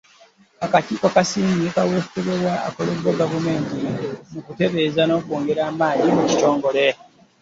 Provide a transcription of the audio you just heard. Akakiiko kasiima kaweefube akoleddwa Gavumenti mu kutereeza n’okwongera amaanyi mu kitongole.